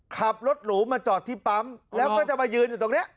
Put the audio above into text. ขับรถหรูมาจอดที่ปั๊มแล้วก็จะมายืนอยู่ตรงนี้